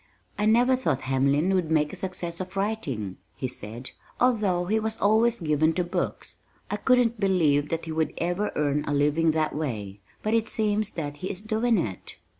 "I never thought Hamlin would make a success of writing," he said, "although he was always given to books. I couldn't believe that he would ever earn a living that way, but it seems that he is doing it."